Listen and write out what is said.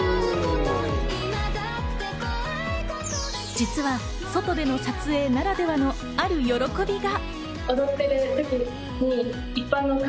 実は外での撮影ならではのある喜びが。